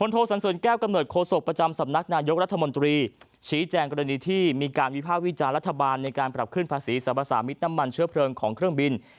โทษสันสนแก้วกำหนดโคสกประจำสำนักนายกรัฐมนตรีชี้แจงกรณีที่มีการวิภาควิจารณ์รัฐบาลในการปรับขึ้นภาษีสรรพสามิดน้ำมันเชื้อเพลิงของเครื่องบิน